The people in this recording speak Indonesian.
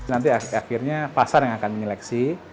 nanti akhirnya pasar yang akan menyeleksi